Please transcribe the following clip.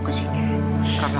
aku ingin mencobanya